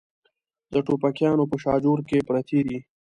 د ټوپکیانو په شاجور کې پرتې دي.